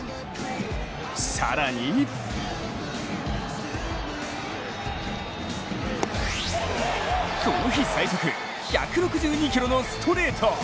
更にこの日最速１６２キロのストレート。